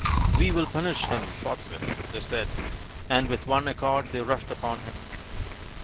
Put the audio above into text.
" We will punish him forthwith," they said, and with one accord they rushed upon him.